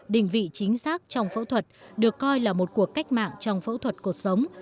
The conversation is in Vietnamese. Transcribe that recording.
đình vị chính xác trong phẫu thuật được coi là một cuộc cách mạng trong phẫu thuật cuộc sống